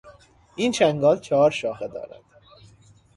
این چنگال چهار شاخه دارد.